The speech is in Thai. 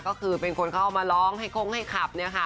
ก็คือเป็นคนเข้ามาร้องให้คงให้ขับเนี่ยค่ะ